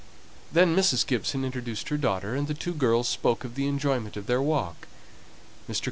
Then Mrs. Gibson introduced her daughter, and the two girls spoke of the enjoyment of their walk. Mr.